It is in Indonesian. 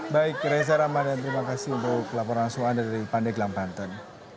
baik reza rahman dan terima kasih untuk laporan soal dari pandek lam banten